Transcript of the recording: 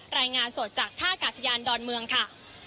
รายงานสดจากท่ากาศยานดอนเมืองค่ะ